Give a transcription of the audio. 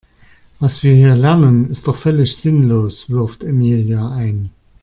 Was wir hier lernen ist doch völlig sinnlos, wirft Emilia ein.